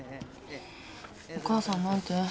お母さん何て？